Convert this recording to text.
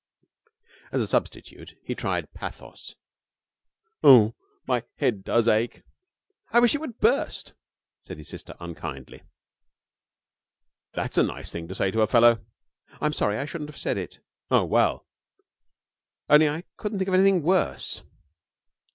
As a substitute he tried pathos. 'Oo oo, my head does ache!' 'I wish it would burst,' said his sister, unkindly. 'That's a nice thing to say to a fellow!' 'I'm sorry. I wouldn't have said it ' 'Oh, well!' 'Only I couldn't think of anything worse.'